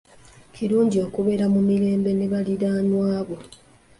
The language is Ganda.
Kirungi okubeera mu mirembe ne baliraanwa bo.